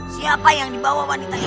siapa yang dibawa wanita ini